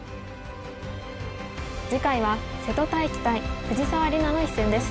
次回は瀬戸大樹対藤沢里菜の一戦です。